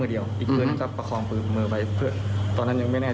อันนี้ก็เกิดการที่เราเอาคุณวิธีมา